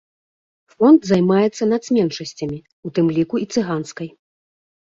Фонд займаецца нацменшасцямі, у тым ліку і цыганскай.